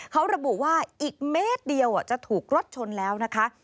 เขาระบุว่าอีกเมตรเดียวจะถูกรถชนแล้วนะคะ